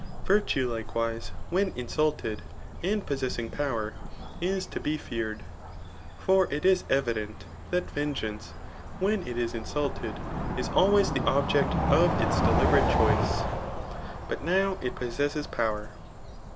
Virtue likewise, when insulted and possessing power is to be feared ; for it is evident that vengeance, when it is ili« suited, is always the object of its deliberate choice ; but now it possesses po^er.